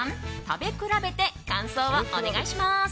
食べ比べて感想をお願いします。